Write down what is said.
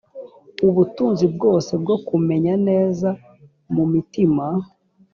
ubutunzi bwose bwo kumenya neza mu mitima